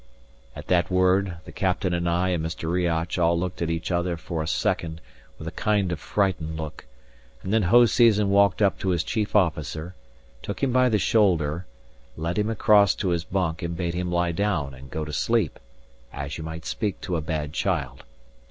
At that word, the captain and I and Mr. Riach all looked at each other for a second with a kind of frightened look; and then Hoseason walked up to his chief officer, took him by the shoulder, led him across to his bunk, and bade him lie down and go to sleep, as you might speak to a bad child.